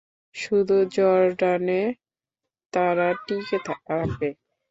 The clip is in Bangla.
শুধু জর্ডানে তারা টিকে থাকে।